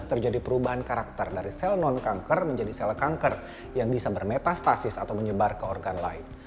terjadi perubahan karakter dari sel non kanker menjadi sel kanker yang bisa bermetastasis atau menyebar ke organ lain